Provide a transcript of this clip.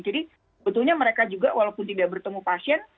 jadi sebetulnya mereka juga walaupun tidak bertemu pasien